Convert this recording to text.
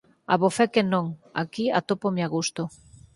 Abofé que non! Aquí atópome a gusto.